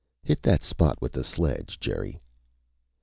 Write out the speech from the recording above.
"Hit that spot with the sledge, Jerry."